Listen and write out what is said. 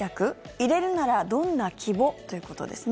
入れるならどんな規模？ということですね。